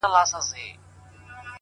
که دې خرو په سر کي لږ عقل لرلای -